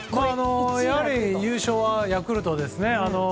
やはり、優勝はヤクルトですね。